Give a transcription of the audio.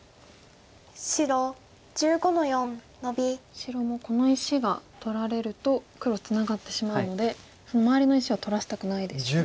白もこの石が取られると黒ツナがってしまうのでその周りの石は取らせたくないですね。